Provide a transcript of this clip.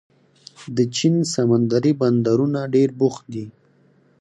د چین سمندري بندرونه ډېر بوخت دي.